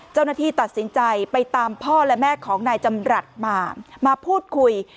เจ้าหน้าที่ตัดสินใจไปตามพ่อและแม่ของนายจำรัฐมามาพูดคุย